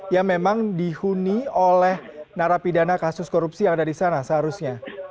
yang memang dihuni oleh narapidana kasus korupsi yang ada di sana seharusnya